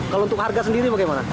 kalau untuk harga sendiri bagaimana